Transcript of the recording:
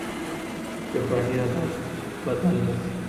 شفاهي ادب بدل نه شي.